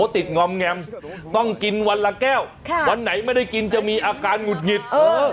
ติดงอมแงมต้องกินวันละแก้ววันไหนไม่ได้กินจะมีอาการหงุดหงิด